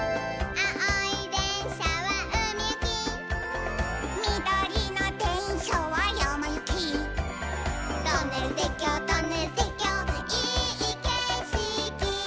「あおいでんしゃはうみゆき」「みどりのでんしゃはやまゆき」「トンネルてっきょうトンネルてっきょういいけしき」